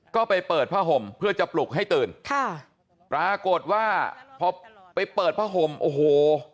ก็ไปเปิดผ้าห่มเพื่อจะปลุกให้ตื่นค่ะปรากฏว่าพอไปเปิดผ้าห่มโอ้โห